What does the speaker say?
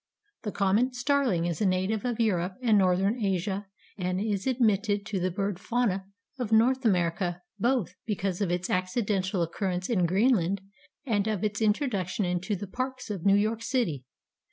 The common Starling is a native of Europe and northern Asia and is admitted to the bird fauna of North America both because of its accidental occurence in Greenland and of its introduction into the parks of New York city.